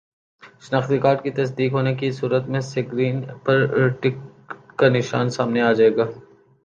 شناختی کارڈ کی تصدیق ہونے کی صورت میں سکرین پر ٹک کا نشان سامنے آ جائے گا